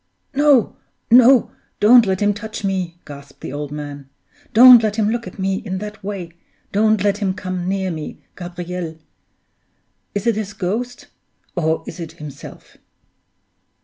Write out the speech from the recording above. "No, no! don't let him touch me!" gasped the old man. "Don't let him look at me in that way! Don't let him come near me, Gabriel! Is it his ghost? or is it himself?"